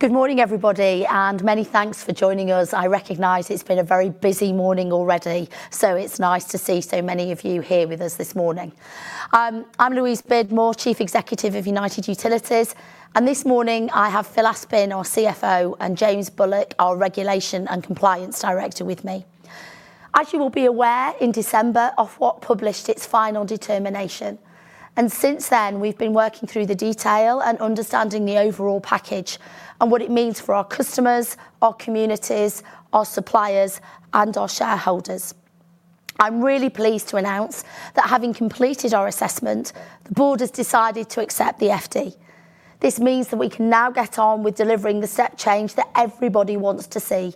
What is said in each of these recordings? Good morning, everybody, and many thanks for joining us. I recognize it's been a very busy morning already, so it's nice to see so many of you here with us this morning. I'm Louise Beardmore, Chief Executive of United Utilities, and this morning I have Phil Aspin, our CFO, and James Bullock, our Regulation and Compliance Director, with me. As you will be aware, in December, Ofwat published its final determination, and since then we've been working through the detail and understanding the overall package and what it means for our customers, our communities, our suppliers, and our shareholders. I'm really pleased to announce that having completed our assessment, the Board has decided to accept the FD. This means that we can now get on with delivering the step change that everybody wants to see,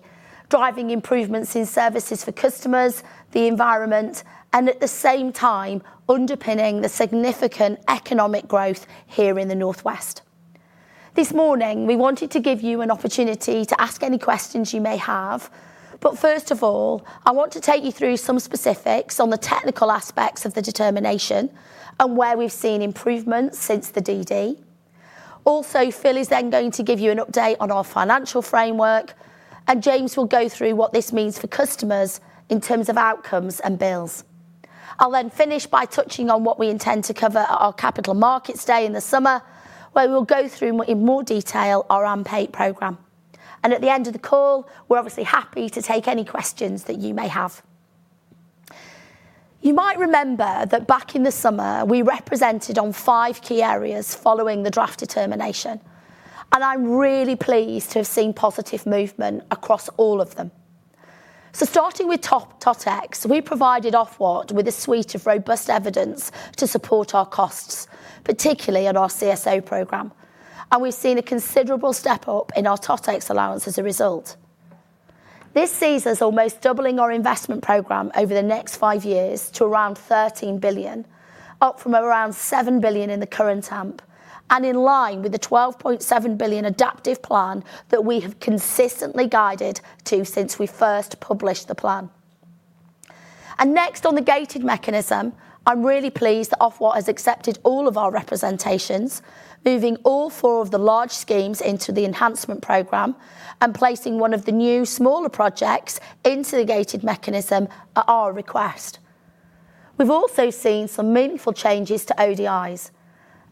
driving improvements in services for customers, the environment, and at the same time underpinning the significant economic growth here in the North West. This morning we wanted to give you an opportunity to ask any questions you may have, but first of all I want to take you through some specifics on the technical aspects of the determination and where we've seen improvements since the DD. Also, Phil is then going to give you an update on our financial framework, and James will go through what this means for customers in terms of outcomes and bills. I'll then finish by touching on what we intend to cover at our Capital Markets Day in the summer, where we'll go through in more detail our AMP8 program. At the end of the call, we're obviously happy to take any questions that you may have. You might remember that back in the summer we represented on five key areas following the draft determination, and I'm really pleased to have seen positive movement across all of them. Starting with TOTEX, we provided Ofwat with a suite of robust evidence to support our costs, particularly on our CSO program, and we've seen a considerable step up in our TOTEX allowance as a result. This sees us almost doubling our investment program over the next five years to around 13 billion, up from around 7 billion in the current AMP, and in line with the 12.7 billion adaptive plan that we have consistently guided to since we first published the plan. Next on the gated mechanism, I'm really pleased that Ofwat has accepted all of our representations, moving all four of the large schemes into the enhancement program and placing one of the new smaller projects into the gated mechanism at our request. We've also seen some meaningful changes to ODIs.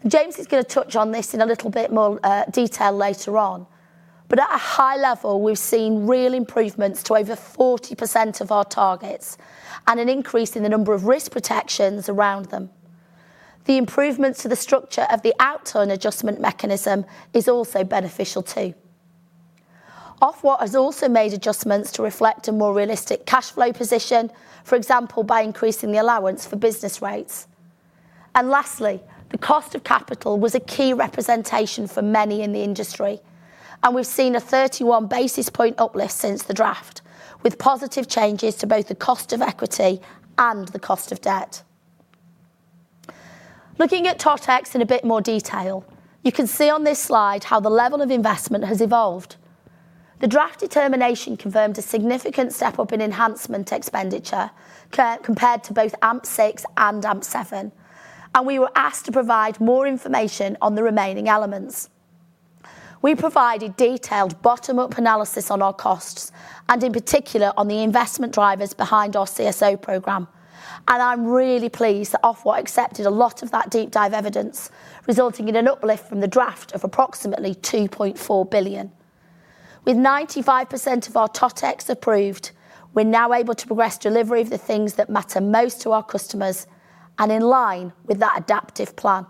James is going to touch on this in a little bit more detail later on, but at a high level we've seen real improvements to over 40% of our targets and an increase in the number of risk protections around them. The improvements to the structure of the outturn adjustment mechanism are also beneficial too. Ofwat has also made adjustments to reflect a more realistic cash flow position, for example, by increasing the allowance for business rates. Lastly, the cost of capital was a key representation for many in the industry, and we've seen a 31 basis points uplift since the draft, with positive changes to both the cost of equity and the cost of debt. Looking at TOTEX in a bit more detail, you can see on this slide how the level of investment has evolved. The draft determination confirmed a significant step up in enhancement expenditure compared to both AMP6 and AMP7, and we were asked to provide more information on the remaining elements. We provided detailed bottom-up analysis on our costs and in particular on the investment drivers behind our CSO program, and I'm really pleased that Ofwat accepted a lot of that deep dive evidence, resulting in an uplift from the draft of approximately 2.4 billion. With 95% of our TOTEX approved, we're now able to progress delivery of the things that matter most to our customers and in line with that adaptive plan.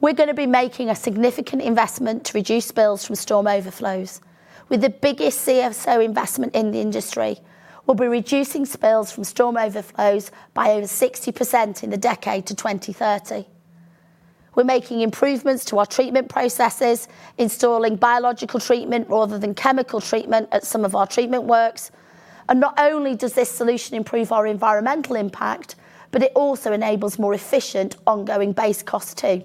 We're going to be making a significant investment to reduce spills from storm overflows. With the biggest CSO investment in the industry, we'll be reducing spills from storm overflows by over 60% in the decade to 2030. We're making improvements to our treatment processes, installing biological treatment rather than chemical treatment at some of our treatment works, and not only does this solution improve our environmental impact, but it also enables more efficient ongoing base cost too,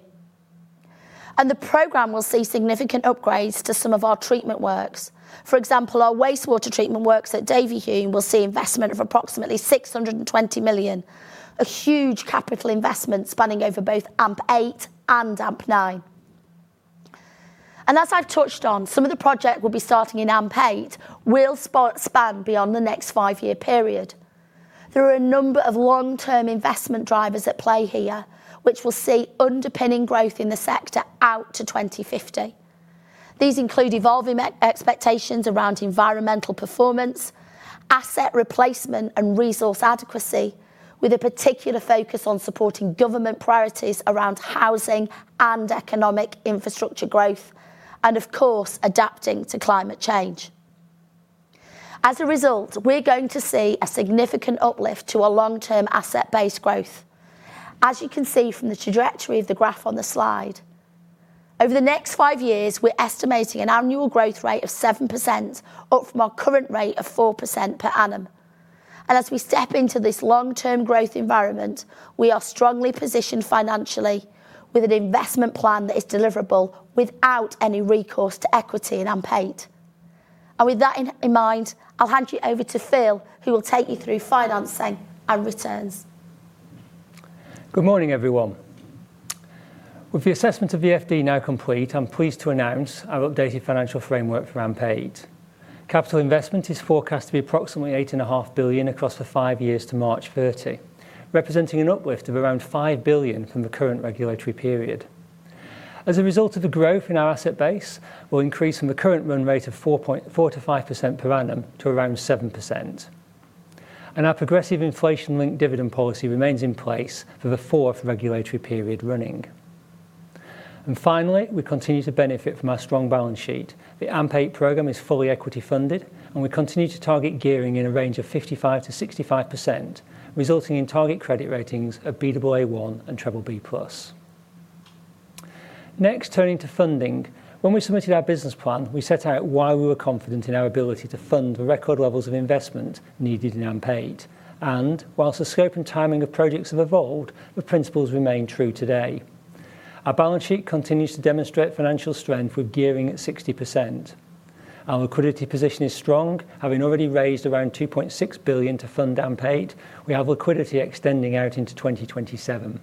and the program will see significant upgrades to some of our treatment works. For example, our wastewater treatment works at Davyhulme will see investment of approximately 620 million, a huge capital investment spanning over both AMP8 and AMP9. As I've touched on, some of the project will be starting in AMP8 will span beyond the next five-year period. There are a number of long-term investment drivers at play here, which will see underpinning growth in the sector out to 2050. These include evolving expectations around environmental performance, asset replacement, and resource adequacy, with a particular focus on supporting government priorities around housing and economic infrastructure growth, and of course adapting to climate change. As a result, we're going to see a significant uplift to our long-term asset base growth, as you can see from the trajectory of the graph on the slide. Over the next five years, we're estimating an annual growth rate of 7%, up from our current rate of 4% per annum. As we step into this long-term growth environment, we are strongly positioned financially with an investment plan that is deliverable without any recourse to equity in AMP8. With that in mind, I'll hand you over to Phil, who will take you through financing and returns. Good morning, everyone. With the assessment of the FD now complete, I'm pleased to announce our updated financial framework for AMP8. Capital investment is forecast to be approximately 8.5 billion across the five years to March 2030, representing an uplift of around 5 billion from the current regulatory period. As a result of the growth in our asset base, we'll increase from the current run rate of 4.4%-5% per annum to around 7%. Our progressive inflation-linked dividend policy remains in place for the fourth regulatory period running. Finally, we continue to benefit from our strong balance sheet. The AMP8 program is fully equity funded, and we continue to target gearing in a range of 55%-65%, resulting in target credit ratings of Baa1 and BBB+. Next, turning to funding, when we submitted our business plan, we set out why we were confident in our ability to fund the record levels of investment needed in AMP8. While the scope and timing of projects have evolved, the principles remain true today. Our balance sheet continues to demonstrate financial strength with gearing at 60%. Our liquidity position is strong, having already raised around 2.6 billion to fund AMP8. We have liquidity extending out into 2027,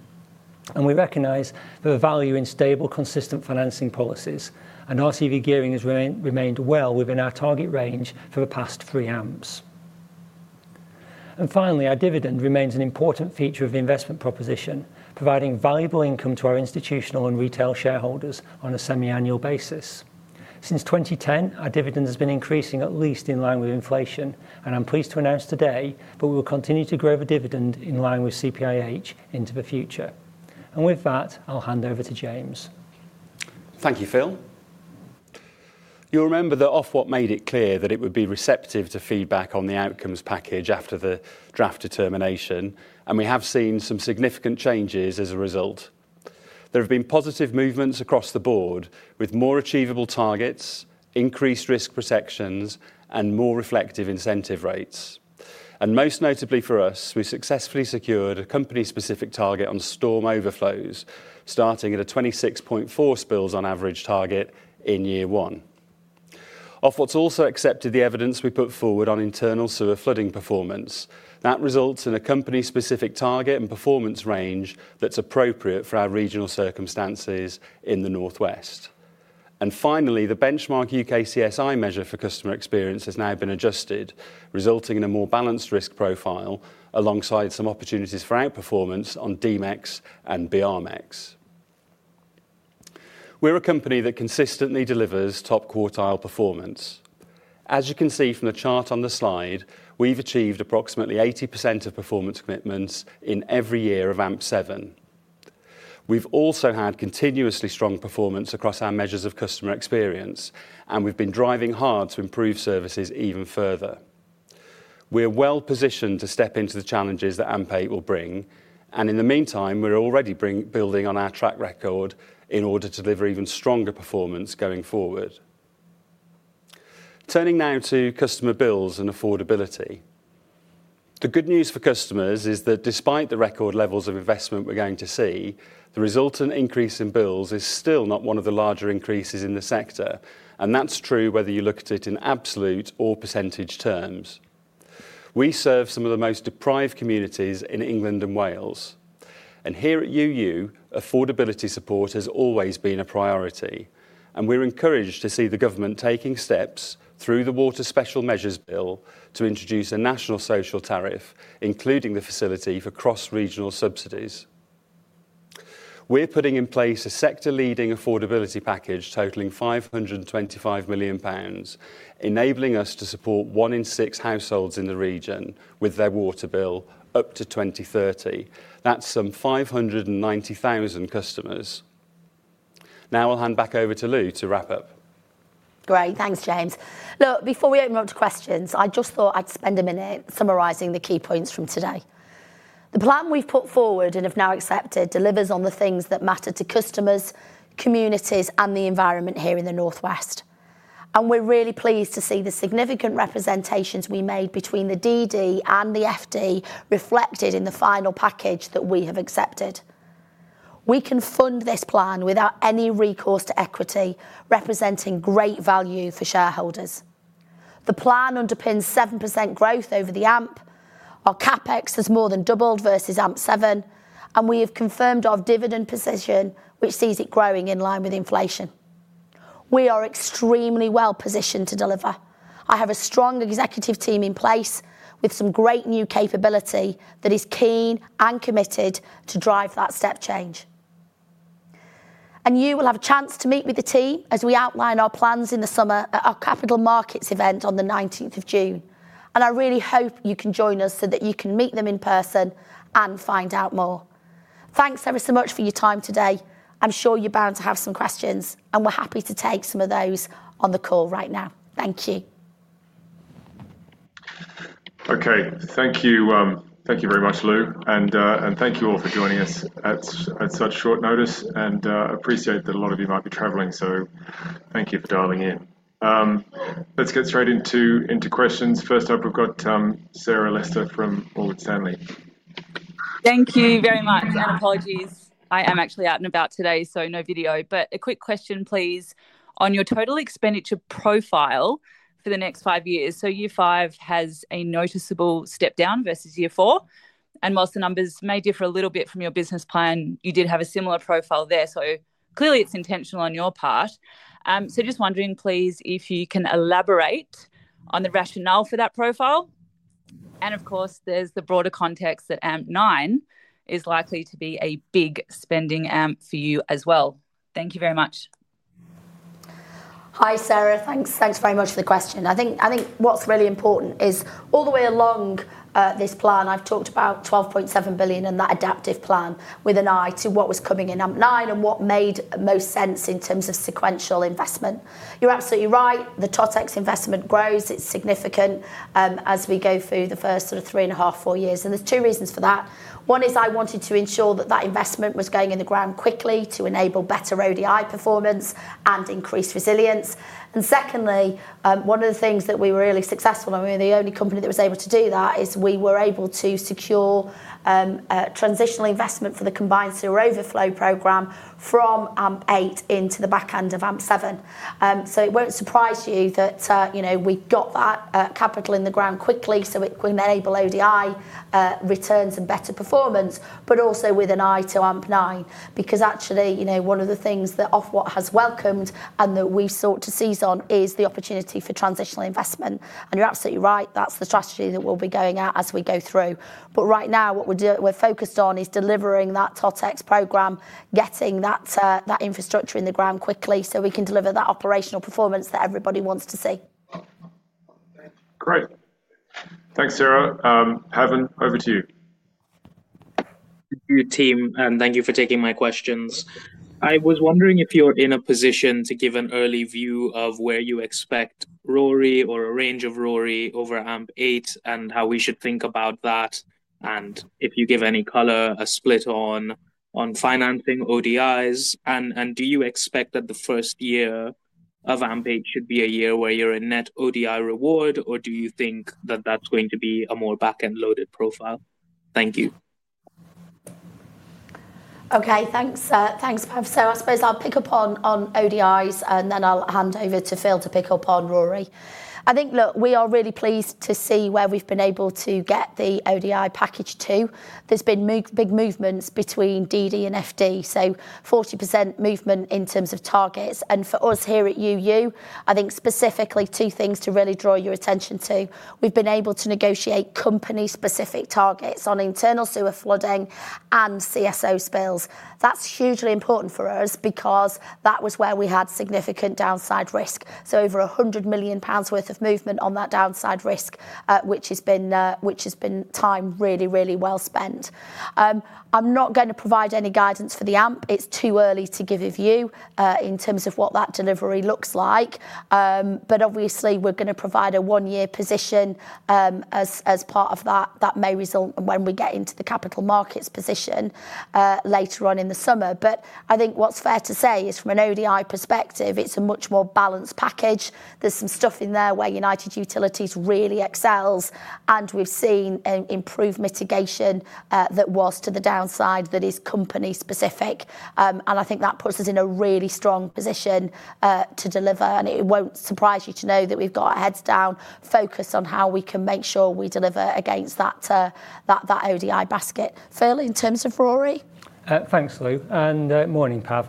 and we recognize that the value in stable, consistent financing policies and RCV gearing has remained well within our target range for the past three AMPs. Finally, our dividend remains an important feature of the investment proposition, providing valuable income to our institutional and retail shareholders on a semi-annual basis. Since 2010, our dividend has been increasing at least in line with inflation, and I'm pleased to announce today that we will continue to grow the dividend in line with CPIH into the future. And with that, I'll hand over to James. Thank you, Phil. You'll remember that Ofwat made it clear that it would be receptive to feedback on the outcomes package after the draft determination, and we have seen some significant changes as a result. There have been positive movements across the board with more achievable targets, increased risk protections, and more reflective incentive rates, and most notably for us, we successfully secured a company-specific target on storm overflows, starting at a 26.4 spills on average target in year one. Ofwat's also accepted the evidence we put forward on internal sewer flooding performance. That results in a company-specific target and performance range that's appropriate for our regional circumstances in the North West, and finally, the benchmark UKCSI measure for customer experience has now been adjusted, resulting in a more balanced risk profile alongside some opportunities for outperformance on D-MeX and BR-MeX. We're a company that consistently delivers top quartile performance. As you can see from the chart on the slide, we've achieved approximately 80% of performance commitments in every year of AMP7. We've also had continuously strong performance across our measures of customer experience, and we've been driving hard to improve services even further. We're well positioned to step into the challenges that AMP8 will bring, and in the meantime, we're already building on our track record in order to deliver even stronger performance going forward. Turning now to customer bills and affordability. The good news for customers is that despite the record levels of investment we're going to see, the resultant increase in bills is still not one of the larger increases in the sector, and that's true whether you look at it in absolute or percentage terms. We serve some of the most deprived communities in England and Wales, and here at UU, affordability support has always been a priority, and we're encouraged to see the government taking steps through the Water Special Measures Bill to introduce a national social tariff, including the facility for cross-regional subsidies. We're putting in place a sector-leading affordability package totaling 525 million pounds, enabling us to support one in six households in the region with their water bill up to 2030. That's some 590,000 customers. Now I'll hand back over to Lou to wrap up. Great, thanks James. Look, before we open up to questions, I just thought I'd spend a minute summarizing the key points from today. The plan we've put forward and have now accepted delivers on the things that matter to customers, communities, and the environment here in the North West, and we're really pleased to see the significant representations we made between the DD and the FD reflected in the final package that we have accepted. We can fund this plan without any recourse to equity, representing great value for shareholders. The plan underpins 7% growth over the AMP. Our CapEx has more than doubled versus AMP7, and we have confirmed our dividend position, which sees it growing in line with inflation. We are extremely well positioned to deliver. I have a strong executive team in place with some great new capability that is keen and committed to drive that step change, and you will have a chance to meet with the team as we outline our plans in the summer at our Capital Markets event on the 19th of June, and I really hope you can join us so that you can meet them in person and find out more. Thanks ever so much for your time today. I'm sure you're bound to have some questions, and we're happy to take some of those on the call right now. Thank you. Okay, thank you. Thank you very much, Lou, and thank you all for joining us at such short notice, and I appreciate that a lot of you might be travelling, so thank you for dialing in. Let's get straight into questions. First up, we've got Sarah Lester from Morgan Stanley. Thank you very much, and apologies. I am actually out and about today, so no video, but a quick question, please. On your total expenditure profile for the next five years, so year five has a noticeable step down versus year four, and whilst the numbers may differ a little bit from your business plan, you did have a similar profile there, so clearly it's intentional on your part. So just wondering, please, if you can elaborate on the rationale for that profile, and of course there's the broader context that AMP9 is likely to be a big spending AMP for you as well. Thank you very much. Hi Sarah, thanks very much for the question. I think what's really important is all the way along this plan, I've talked about 12.7 billion and that adaptive plan with an eye to what was coming in AMP9 and what made most sense in terms of sequential investment. You're absolutely right, the TOTEX investment grows, it's significant as we go through the first sort of three and a half, four years, and there's two reasons for that. One is I wanted to ensure that that investment was going in the ground quickly to enable better ODI performance and increased resilience. And secondly, one of the things that we were really successful, and we were the only company that was able to do that, is we were able to secure transitional investment for the combined sewer overflow program from AMP8 into the back end of AMP7. So it won't surprise you that we got that capital in the ground quickly, so it enabled ODI returns and better performance, but also with an eye to AMP9, because actually one of the things that Ofwat has welcomed and that we sought to seize on is the opportunity for transitional investment, and you're absolutely right, that's the strategy that we'll be going at as we go through. But right now what we're focused on is delivering that TOTEX program, getting that infrastructure in the ground quickly so we can deliver that operational performance that everybody wants to see. Great, thanks, Sarah. Pev, over to you. Thank you, team, and thank you for taking my questions. I was wondering if you're in a position to give an early view of where you expect RoRE or a range of RoRE over AMP8 and how we should think about that, and if you give any color, a split on financing ODIs, and do you expect that the first year of AMP8 should be a year where you're in net ODI reward, or do you think that that's going to be a more back-end loaded profile? Thank you. Okay, thanks, thanks Pev. So I suppose I'll pick up on ODIs, and then I'll hand over to Phil to pick up on RoRE. I think, look, we are really pleased to see where we've been able to get the ODI package to. There's been big movements between DD and FD, so 40% movement in terms of targets, and for us here at UU, I think specifically two things to really draw your attention to. We've been able to negotiate company-specific targets on internal sewer flooding and CSO spills. That's hugely important for us because that was where we had significant downside risk, so over 100 million pounds worth of movement on that downside risk, which has been time really, really well spent. I'm not going to provide any guidance for the AMP. It's too early to give a view in terms of what that delivery looks like, but obviously we're going to provide a one-year position as part of that that may result when we get into the capital markets position later on in the summer. But I think what's fair to say is from an ODI perspective, it's a much more balanced package. There's some stuff in there where United Utilities really excels, and we've seen improved mitigation that was to the downside that is company-specific, and I think that puts us in a really strong position to deliver, and it won't surprise you to know that we've got our heads down focus on how we can make sure we deliver against that ODI basket. Phil, in terms of RoRE? Thanks, Lou, and morning, Pev.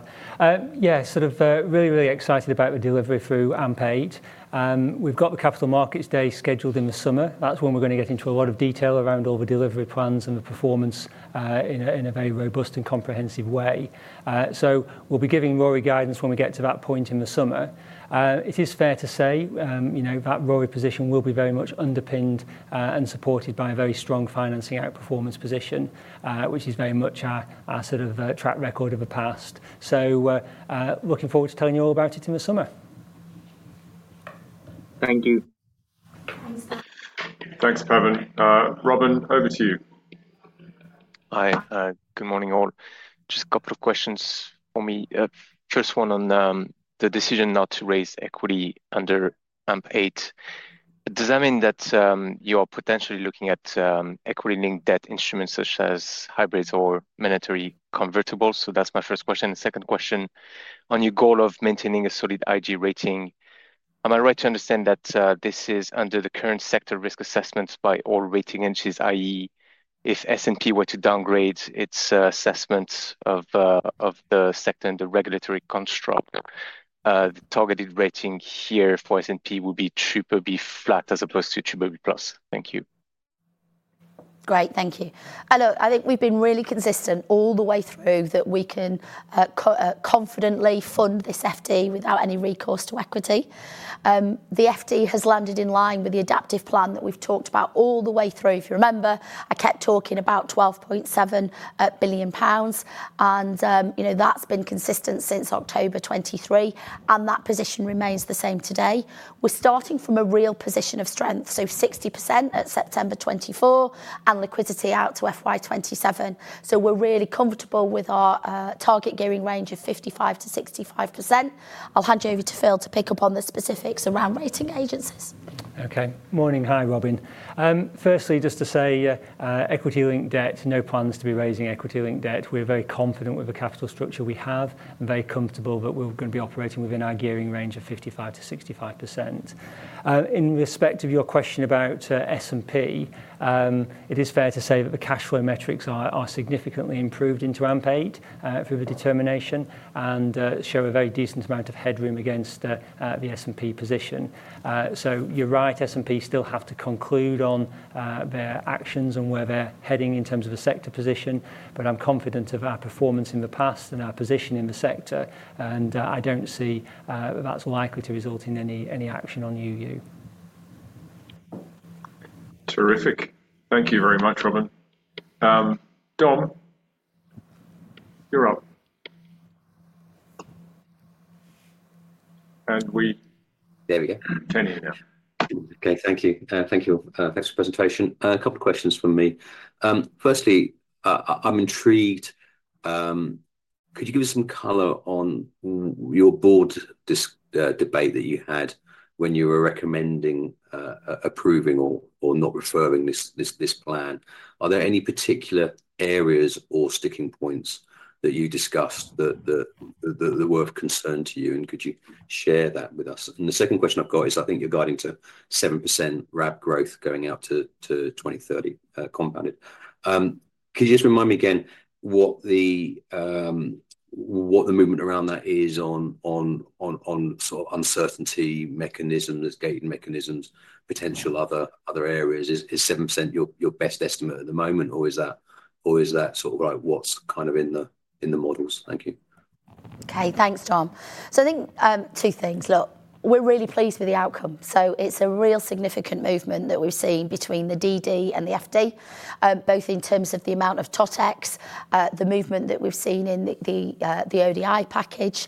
Yeah, sort of really, really excited about the delivery through AMP8. We've got the capital markets day scheduled in the summer. That's when we're going to get into a lot of detail around all the delivery plans and the performance in a very robust and comprehensive way. So we'll be giving RoRE guidance when we get to that point in the summer. It is fair to say that RoRE position will be very much underpinned and supported by a very strong financing outperformance position, which is very much our sort of track record of the past. So looking forward to telling you all about it in the summer. Thank you. Thanks, Pev. Robin, over to you. Hi, good morning all. Just a couple of questions for me. First one on the decision not to raise equity under AMP8. Does that mean that you are potentially looking at equity-linked debt instruments such as hybrids or mandatory convertibles? So that's my first question. The second question, on your goal of maintaining a solid IG rating, am I right to understand that this is under the current sector risk assessments by all rating agencies, i.e., if S&P were to downgrade its assessment of the sector and the regulatory construct, the targeted rating here for S&P would be BBB flat as opposed to BBB+? Thank you. Great, thank you. Look, I think we've been really consistent all the way through that we can confidently fund this FD without any recourse to equity. The FD has landed in line with the adaptive plan that we've talked about all the way through. If you remember, I kept talking about 12.7 billion pounds, and that's been consistent since October 23, and that position remains the same today. We're starting from a real position of strength, so 60% at September 24 and liquidity out to FY 2027. So we're really comfortable with our target gearing range of 55%-65%. I'll hand you over to Phil to pick up on the specifics around rating agencies. Okay, morning. Hi, Robin. Firstly, just to say equity-linked debt, no plans to be raising equity-linked debt. We're very confident with the capital structure we have and very comfortable that we're going to be operating within our gearing range of 55%-65%. In respect of your question about S&P, it is fair to say that the cash flow metrics are significantly improved into AMP8 through the determination and show a very decent amount of headroom against the S&P position. So you're right, S&P still have to conclude on their actions and where they're heading in terms of a sector position, but I'm confident of our performance in the past and our position in the sector, and I don't see that's likely to result in any action on UU. Terrific, thank you very much, Robin. Dom, you're up. And we. There we go. Turning it now. Okay, thank you. Thanks for the presentation. A couple of questions from me. Firstly, I'm intrigued. Could you give us some color on your board debate that you had when you were recommending approving or not referring this plan? Are there any particular areas or sticking points that you discussed that were of concern to you, and could you share that with us? And the second question I've got is, I think you're guiding to 7% RAB growth going out to 2030 compounded. Could you just remind me again what the movement around that is on sort of uncertainty mechanisms, gating mechanisms, potential other areas? Is 7% your best estimate at the moment, or is that sort of what's kind of in the models? Thank you. Okay, thanks, Dom. So I think two things. Look, we're really pleased with the outcome, so it's a real significant movement that we've seen between the DD and the FD, both in terms of the amount of TOTEX, the movement that we've seen in the ODI package.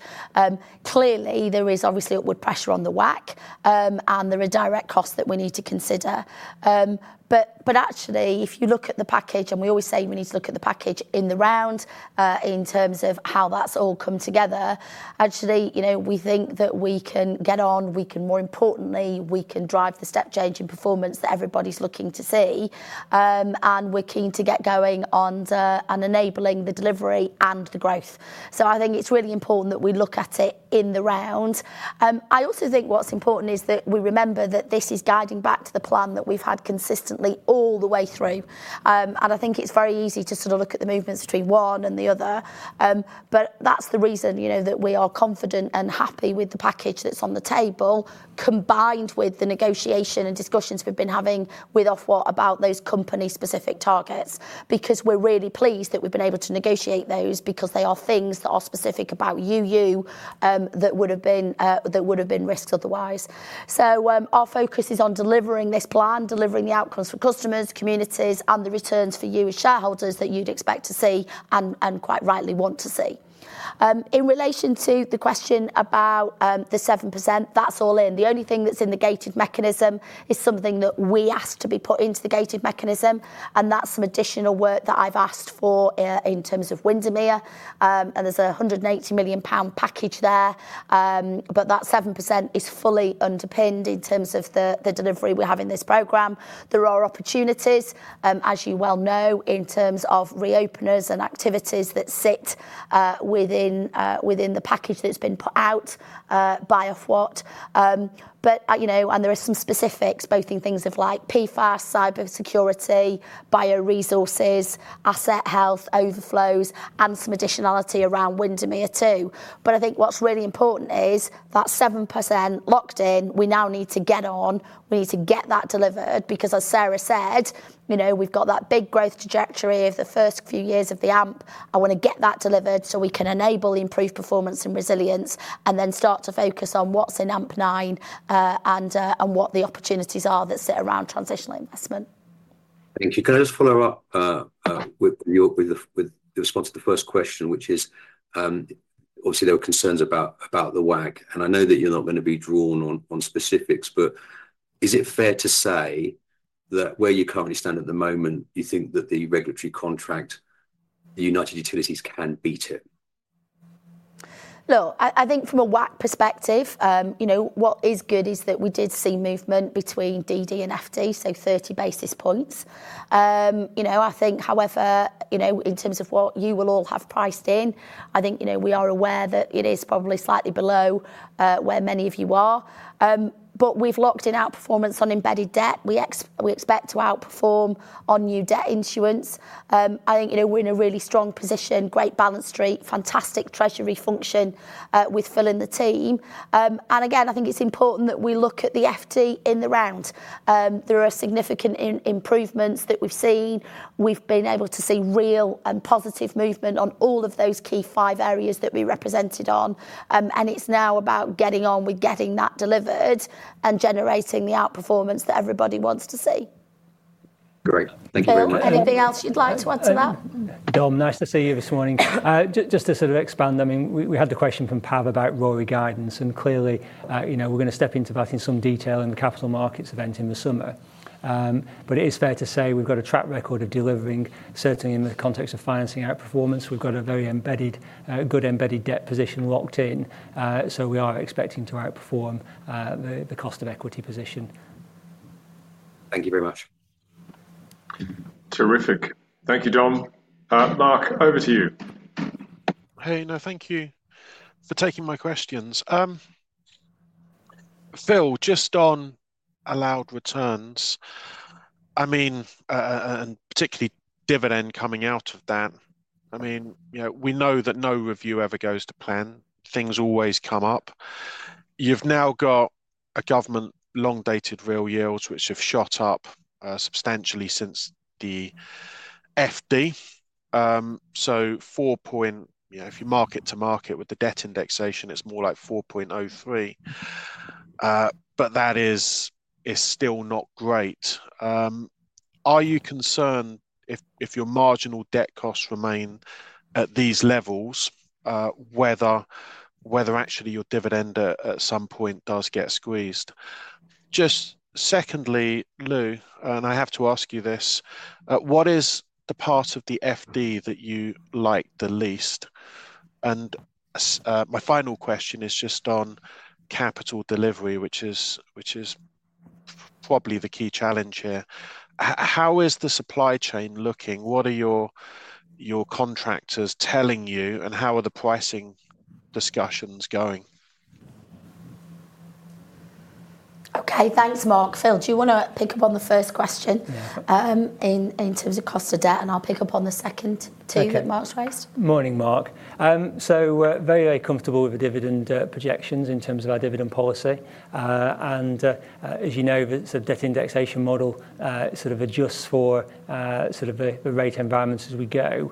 Clearly, there is obviously upward pressure on the WACC, and there are direct costs that we need to consider. But actually, if you look at the package, and we always say we need to look at the package in the round in terms of how that's all come together, actually we think that we can get on, we can, more importantly, we can drive the step change in performance that everybody's looking to see, and we're keen to get going on and enabling the delivery and the growth. So I think it's really important that we look at it in the round. I also think what's important is that we remember that this is guiding back to the plan that we've had consistently all the way through, and I think it's very easy to sort of look at the movements between one and the other, but that's the reason that we are confident and happy with the package that's on the table combined with the negotiation and discussions we've been having with Ofwat about those company-specific targets, because we're really pleased that we've been able to negotiate those because they are things that are specific about UU that would have been risks otherwise. So our focus is on delivering this plan, delivering the outcomes for customers, communities, and the returns for you as shareholders that you'd expect to see and quite rightly want to see. In relation to the question about the 7%, that's all in. The only thing that's in the gated mechanism is something that we asked to be put into the gated mechanism, and that's some additional work that I've asked for in terms of Windermere, and there's a 180 million pound package there, but that 7% is fully underpinned in terms of the delivery we have in this program. There are opportunities, as you well know, in terms of reopeners and activities that sit within the package that's been put out by Ofwat, and there are some specifics both in things of like PFAS, cybersecurity, bioresources, asset health, overflows, and some additionality around Windermere too. But I think what's really important is that 7% locked in, we now need to get on, we need to get that delivered, because as Sarah said, we've got that big growth trajectory of the first few years of the AMP. I want to get that delivered so we can enable improved performance and resilience and then start to focus on what's in AMP9 and what the opportunities are that sit around transitional investment. Thank you. Can I just follow up with the response to the first question, which is obviously there were concerns about the WACC, and I know that you're not going to be drawn on specifics, but is it fair to say that where you currently stand at the moment, you think that the regulatory contract, United Utilities can beat it? Look, I think from a WACC perspective, what is good is that we did see movement between DD and FD, so 30 basis points. I think, however, in terms of what you will all have priced in, I think we are aware that it is probably slightly below where many of you are, but we've locked in outperformance on embedded debt. We expect to outperform on new debt issuance. I think we're in a really strong position, great balance sheet, fantastic treasury function with Phil and the team. And again, I think it's important that we look at the FD in the round. There are significant improvements that we've seen. We've been able to see real and positive movement on all of those key five areas that we represented on, and it's now about getting on with getting that delivered and generating the outperformance that everybody wants to see. Great, thank you very much. Anything else you'd like to add to that? Dom, nice to see you this morning. Just to sort of expand, I mean, we had the question from Pev about RoRE guidance, and clearly we're going to step into that in some detail in the capital markets event in the summer. But it is fair to say we've got a track record of delivering, certainly in the context of financing outperformance. We've got a very good embedded debt position locked in, so we are expecting to outperform the cost of equity position. Thank you very much. Terrific, thank you, Dom. Mark, over to you. Hey, no, thank you for taking my questions. Phil, just on allowed returns, I mean, and particularly dividend coming out of that, I mean, we know that no review ever goes to plan. Things always come up. You've now got a government long-dated real yields which have shot up substantially since the FD. So 4%, if you mark to market with the debt indexation, it's more like 4.03%, but that is still not great. Are you concerned if your marginal debt costs remain at these levels, whether actually your dividend at some point does get squeezed? Just secondly, Lou, and I have to ask you this, what is the part of the FD that you like the least? And my final question is just on capital delivery, which is probably the key challenge here. How is the supply chain looking? What are your contractors telling you, and how are the pricing discussions going? Okay, thanks, Mark. Phil, do you want to pick up on the first question in terms of cost of debt, and I'll pick up on the second too, if Mark's raised? Morning, Mark. So very, very comfortable with the dividend projections in terms of our dividend policy. And as you know, the debt indexation model sort of adjusts for sort of the rate environments as we go.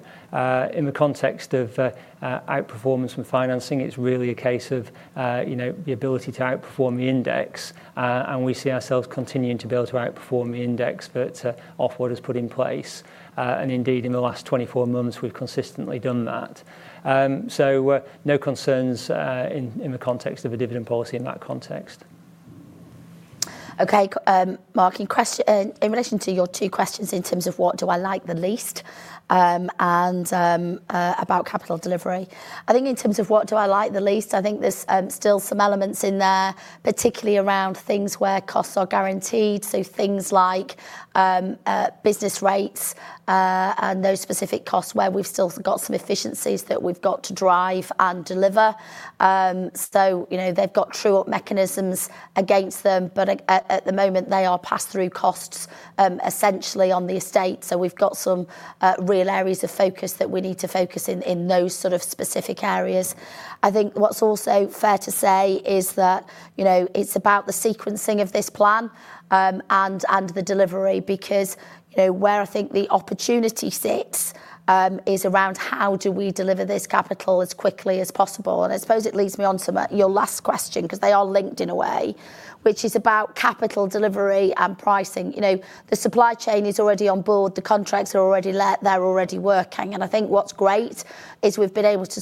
In the context of outperformance from financing, it's really a case of the ability to outperform the index, and we see ourselves continuing to be able to outperform the index that Ofwat has put in place. And indeed, in the last 24 months, we've consistently done that. So no concerns in the context of a dividend policy in that context. Okay, Mark, in relation to your two questions in terms of what do I like the least and about capital delivery, I think in terms of what do I like the least, I think there's still some elements in there, particularly around things where costs are guaranteed, so things like business rates and those specific costs where we've still got some efficiencies that we've got to drive and deliver. So they've got true-up mechanisms against them, but at the moment, they are pass-through costs essentially on the estate. So we've got some real areas of focus that we need to focus in those sort of specific areas. I think what's also fair to say is that it's about the sequencing of this plan and the delivery because where I think the opportunity sits is around how do we deliver this capital as quickly as possible. And I suppose it leads me on to your last question because they are linked in a way, which is about capital delivery and pricing. The supply chain is already on board. The contracts are already there. They're already working. And I think what's great is we've been able to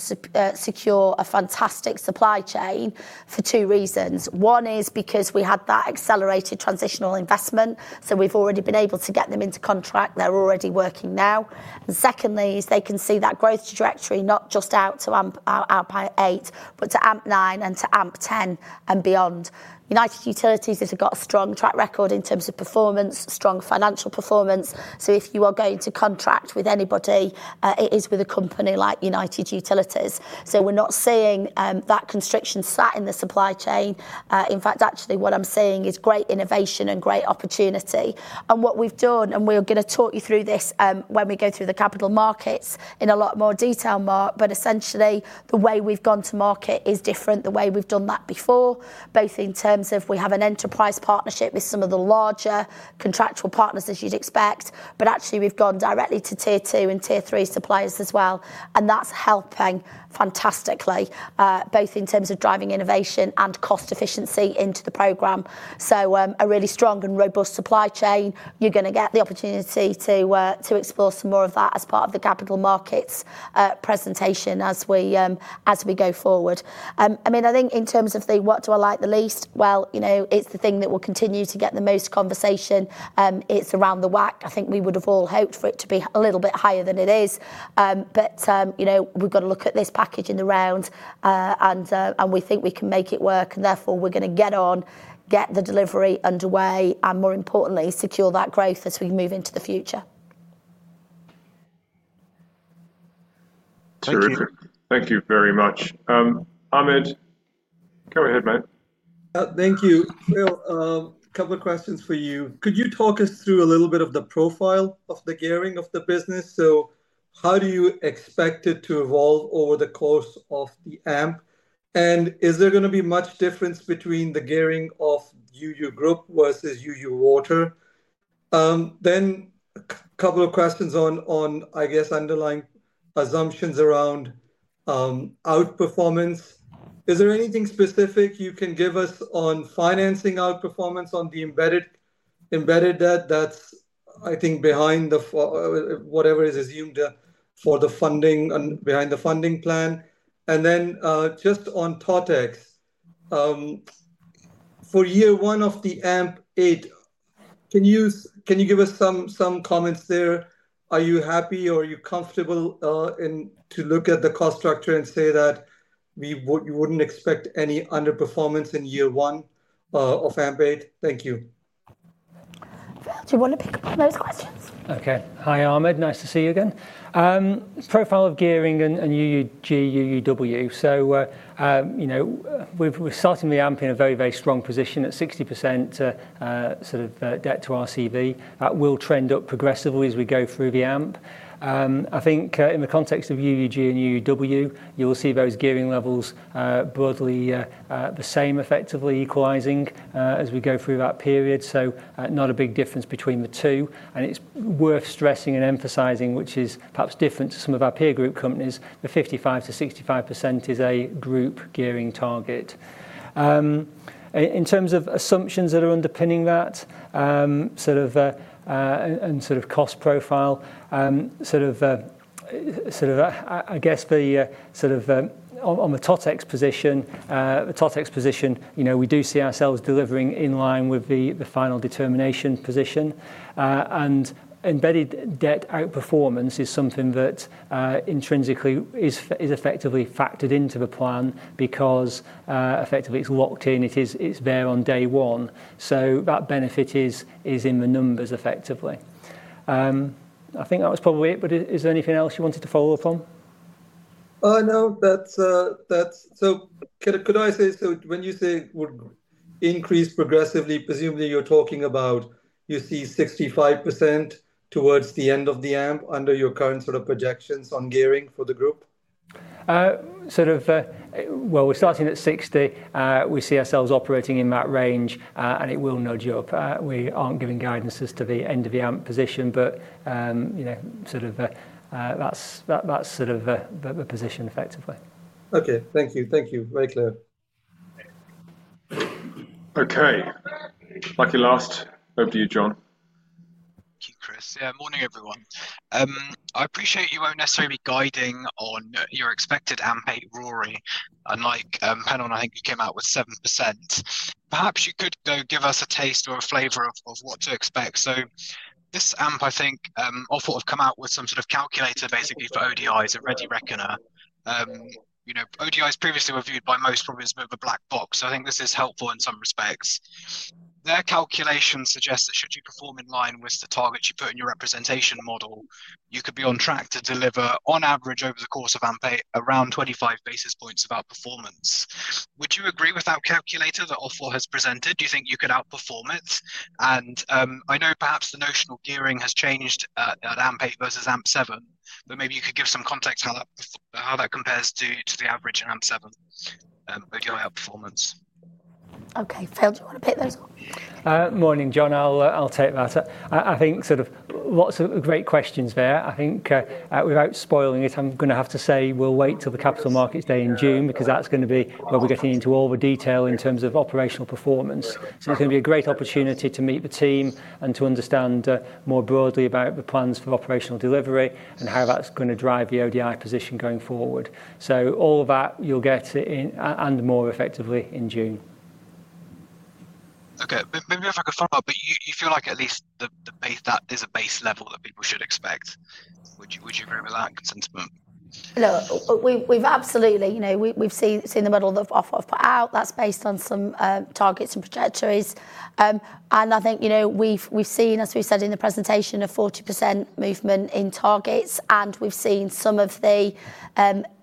secure a fantastic supply chain for two reasons. One is because we had that accelerated transitional investment, so we've already been able to get them into contract. They're already working now. And secondly, is they can see that growth trajectory not just out to AMP8, but to AMP9 and to AMP10 and beyond. United Utilities has got a strong track record in terms of performance, strong financial performance. So if you are going to contract with anybody, it is with a company like United Utilities. So we're not seeing that constriction sat in the supply chain. In fact, actually what I'm seeing is great innovation and great opportunity. And what we've done, and we're going to talk you through this when we go through the capital markets in a lot more detail, Mark, but essentially the way we've gone to market is different than the way we've done that before, both in terms of we have an enterprise partnership with some of the larger contractual partners, as you'd expect, but actually we've gone directly to tier two and tier three suppliers as well. And that's helping fantastically, both in terms of driving innovation and cost efficiency into the program, so a really strong and robust supply chain. You're going to get the opportunity to explore some more of that as part of the capital markets presentation as we go forward. I mean, I think in terms of the what do I like the least, well, it's the thing that will continue to get the most conversation. It's around the WACC. I think we would have all hoped for it to be a little bit higher than it is, but we've got to look at this package in the round, and we think we can make it work, and therefore we're going to get on, get the delivery underway, and more importantly, secure that growth as we move into the future. Terrific. Thank you very much. Ahmed, go ahead, mate. Thank you. Phil, a couple of questions for you. Could you talk us through a little bit of the profile of the gearing of the business? So how do you expect it to evolve over the course of the AMP? And is there going to be much difference between the gearing of UU Group versus UU Water? Then a couple of questions on, I guess, underlying assumptions around outperformance. Is there anything specific you can give us on financing outperformance on the embedded debt? That's, I think, behind whatever is assumed for the funding and behind the funding plan. And then just on TOTEX, for year one of the AMP8, can you give us some comments there? Are you happy or are you comfortable to look at the cost structure and say that you wouldn't expect any underperformance in year one of AMP8? Thank you. Phil, do you want to pick up on those questions? Okay, hi Ahmed, nice to see you again. Profile of gearing and UUG, UUW. So we're starting the AMP in a very, very strong position at 60% sort of debt to RCV. That will trend up progressively as we go through the AMP. I think in the context of UUG and UUW, you will see those gearing levels broadly the same, effectively equalising as we go through that period. So not a big difference between the two. And it's worth stressing and emphasizing, which is perhaps different to some of our peer group companies, the 55%-65% is a group gearing target. In terms of assumptions that are underpinning that sort of and sort of cost profile, sort of I guess the sort of on the TOTEX position, the TOTEX position, we do see ourselves delivering in line with the final determination position. And embedded debt outperformance is something that intrinsically is effectively factored into the plan because effectively it's locked in. It's there on day one. So that benefit is in the numbers effectively. I think that was probably it, but is there anything else you wanted to follow up on? No, that's so could I say so when you say increase progressively, presumably you're talking about you see 65% towards the end of the AMP under your current sort of projections on gearing for the group? Sort of, well, we're starting at 60. We see ourselves operating in that range, and it will nudge up. We aren't giving guidances to the end of the AMP position, but sort of that's sort of the position effectively. Okay, thank you. Thank you. Very clear. Okay, lucky last. Over to you, John. Thank you, Chris. Yeah, morning everyone. I appreciate you won't necessarily be guiding on your expected AMP8 RoRE, unlike Helen and I think you came out with 7%. Perhaps you could give us a taste or a flavor of what to expect. So this AMP, I think Ofwat have come out with some sort of calculator basically for ODIs, a ready reckoner. ODIs previously were viewed by most probably as a bit of a black box. So I think this is helpful in some respects. Their calculation suggests that should you perform in line with the targets you put in your representation model, you could be on track to deliver on average over the course of AMP8 around 25 basis points of outperformance. Would you agree with that calculator that Ofwat has presented? Do you think you could outperform it? I know perhaps the notional gearing has changed at AMP8 versus AMP7, but maybe you could give some context how that compares to the average in AMP7 of your outperformance? Okay, Phil, do you want to pick those up? Morning, John. I'll take that. I think sort of lots of great questions there. I think without spoiling it, I'm going to have to say we'll wait till the Capital Markets Day in June because that's going to be where we're getting into all the detail in terms of operational performance. So it's going to be a great opportunity to meet the team and to understand more broadly about the plans for operational delivery and how that's going to drive the ODI position going forward. So all of that you'll get and more effectively in June. Okay, maybe if I could follow up, but you feel like at least there's a base level that people should expect. Would you agree with that sentiment? No, we've absolutely seen the model Ofwat put out. That's based on some targets and trajectories. I think we've seen, as we said in the presentation, a 40% movement in targets, and we've seen some of the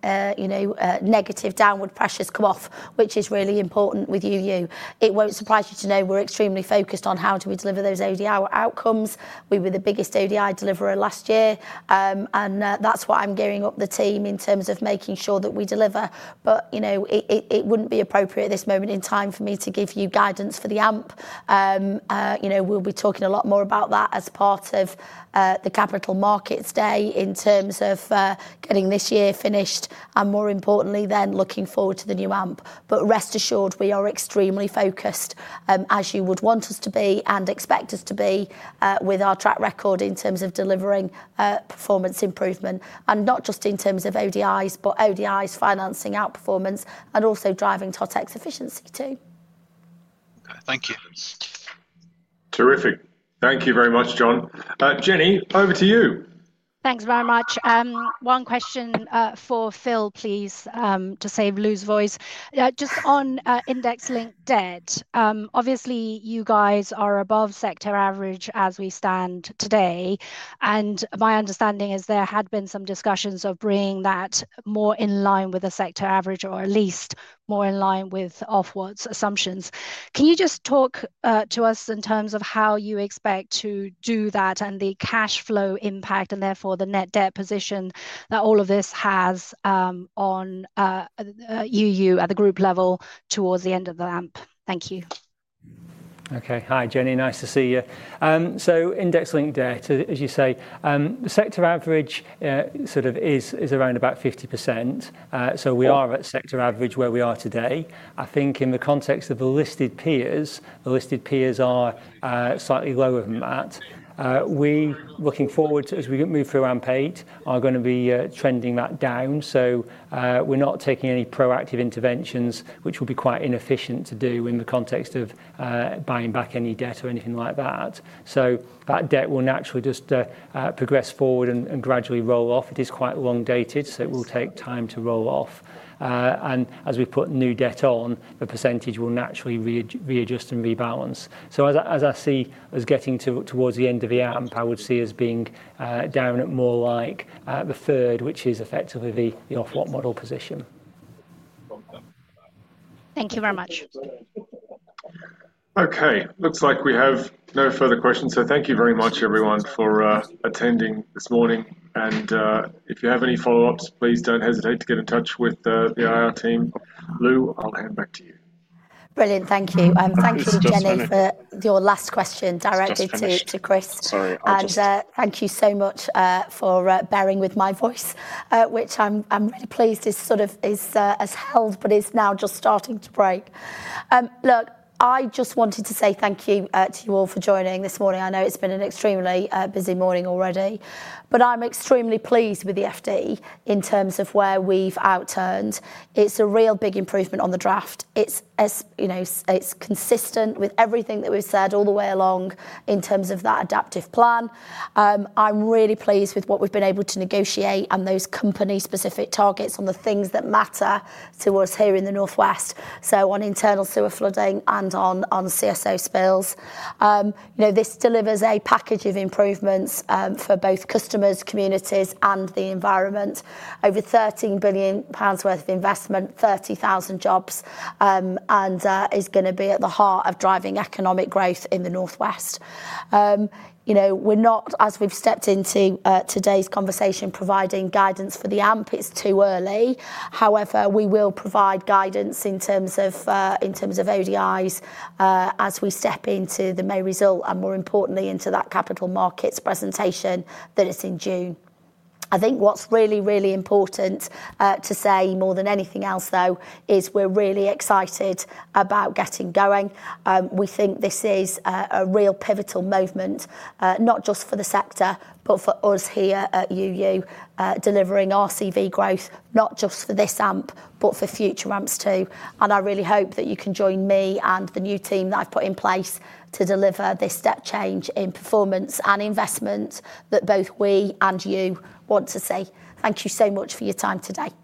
negative downward pressures come off, which is really important with UU. It won't surprise you to know we're extremely focused on how do we deliver those ODI outcomes. We were the biggest ODI deliverer last year, and that's why I'm gearing up the team in terms of making sure that we deliver. It wouldn't be appropriate at this moment in time for me to give you guidance for the AMP. We'll be talking a lot more about that as part of the Capital Markets Day in terms of getting this year finished and more importantly then looking forward to the new AMP. But rest assured, we are extremely focused as you would want us to be and expect us to be with our track record in terms of delivering performance improvement. And not just in terms of ODIs, but ODIs, financing outperformance, and also driving TOTEX efficiency too. Thank you. Terrific. Thank you very much, John. Jenny, over to you. Thanks very much. One question for Phil, please, to save Lou's voice. Just on index linked debt, obviously you guys are above sector average as we stand today, and my understanding is there had been some discussions of bringing that more in line with a sector average or at least more in line with Ofwat's assumptions. Can you just talk to us in terms of how you expect to do that and the cash flow impact and therefore the net debt position that all of this has on UU at the group level towards the end of the AMP? Thank you. Okay, hi Jenny, nice to see you. So index linked debt, as you say, the sector average sort of is around about 50%. So we are at sector average where we are today. I think in the context of the listed peers, the listed peers are slightly lower than that. We, looking forward to as we move through AMP8, are going to be trending that down. So we're not taking any proactive interventions, which will be quite inefficient to do in the context of buying back any debt or anything like that. So that debt will naturally just progress forward and gradually roll off. It is quite long-dated, so it will take time to roll off. And as we put new debt on, the percentage will naturally readjust and rebalance. So as I see us getting towards the end of the AMP, I would see us being down at more like the third, which is effectively the Ofwat model position. Thank you very much. Okay, looks like we have no further questions. So thank you very much everyone for attending this morning. And if you have any follow-ups, please don't hesitate to get in touch with the IR team. Lou, I'll hand back to you. Brilliant, thank you and thank you, Jenny, for your last question directed to Chris and thank you so much for bearing with my voice, which I'm really pleased has held, but is now just starting to break. Look, I just wanted to say thank you to you all for joining this morning. I know it's been an extremely busy morning already, but I'm extremely pleased with the FD in terms of where we've outturned. It's a real big improvement on the draft. It's consistent with everything that we've said all the way along in terms of that adaptive plan. I'm really pleased with what we've been able to negotiate and those company-specific targets on the things that matter to us here in the North West, so on internal sewer flooding and on CSO spills. This delivers a package of improvements for both customers, communities, and the environment. Over 13 billion pounds worth of investment, 30,000 jobs, and is going to be at the heart of driving economic growth in the North West. We're not, as we've stepped into today's conversation, providing guidance for the AMP. It's too early. However, we will provide guidance in terms of ODIs as we step into the May result and more importantly into that capital markets presentation that is in June. I think what's really, really important to say more than anything else though is we're really excited about getting going. We think this is a real pivotal movement, not just for the sector, but for us here at UU delivering RCV growth, not just for this AMP, but for future AMPs too. I really hope that you can join me and the new team that I've put in place to deliver this step change in performance and investment that both we and you want to see. Thank you so much for your time today.